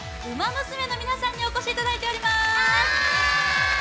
ウマ娘の皆さんにお越しいただいております。